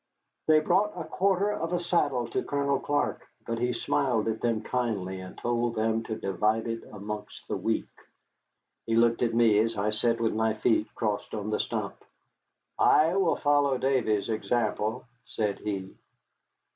They brought a quarter of a saddle to Colonel Clark, but he smiled at them kindly and told them to divide it amongst the weak. He looked at me as I sat with my feet crossed on the stump. "I will follow Davy's example," said he.